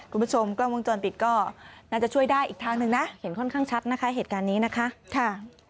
คุณผู้ชมกล้องวงจรปิดก็น่าจะช่วยได้อีกทางหนึ่งนะเห็นค่อนข้างชัดนะคะเหตุการณ์นี้นะคะ